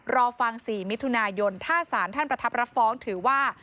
รอฟัง๔มิถุนายนถ้าสารท่านประทับรับฟ้องถือว่า